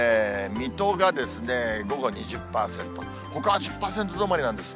水戸が午後２０％、ほかは１０％止まりなんです。